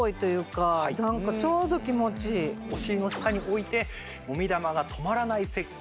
お尻の下に置いてもみ玉が止まらない設計。